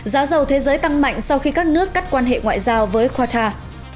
giá dầu thế giới tăng mạnh sau khi các nước cắt quan hệ ngoại giao với qatar